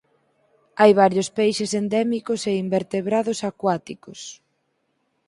Hai varios peixes endémicos e invertebrados acuáticos.